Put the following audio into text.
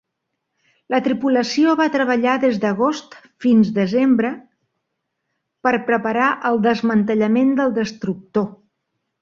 La tripulació va treballar des d'agost fins desembre per preparar el desmantellament del destructor.